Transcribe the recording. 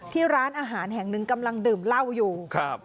ร้านอาหารแห่งหนึ่งกำลังดื่มเหล้าอยู่ครับ